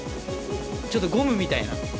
ちょっとゴムみたいな。